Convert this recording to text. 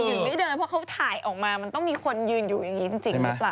ถึงไม่เดินเพราะเขาถ่ายออกมามันต้องมีคนยืนอยู่อย่างนี้จริงหรือเปล่า